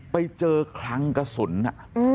ไปเจอทำจะคลังกระสุนอ่ะ